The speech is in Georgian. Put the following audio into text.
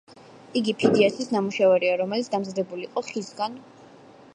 იგი ფიდიასის ნამუშევარია, რომელიც დამზადებული იყო ხისგან.